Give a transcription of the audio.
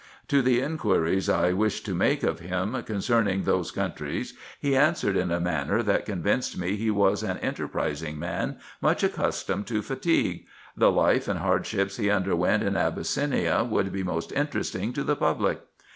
To the inquiries I wished to make of him concerning those countries, he answered in a manner that con vinced me he was an enterprising man, much accustomed to fatigue : the life and hardships he underwent in Abyssinia would be most interesting to the public.